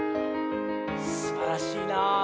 すばらしいなあ。